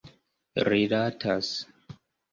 rilatas